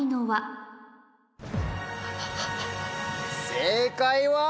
正解は？